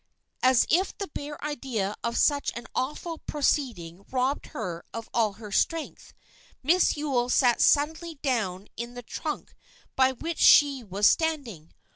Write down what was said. As if the bare idea of such an awful proceeding robbed her of all strength, Miss Yule sat suddenly down in the trunk by which she was standing.